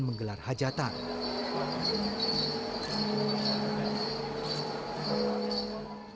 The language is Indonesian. pemasangan bleket tepe menandakan sang tuan rumah